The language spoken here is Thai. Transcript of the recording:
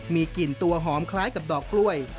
มีกลิ่นตัวหอมคล้ายกับดอกกล้วย